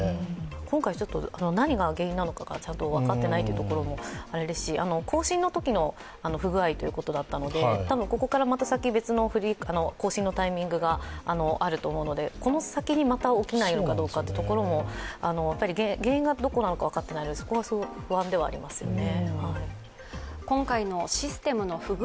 今回何が原因なのかが分かっていないということもありますし、更新のときの不具合ということだったのでこの先、別の更新のタイミングがあると思うのでこの先にまた起きないかどうかというところも原因がどこなのか分かっていないので、そこがすごく不安ではありますよね。